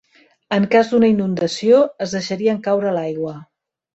En cas d'una inundació es deixarien caure a l'aigua.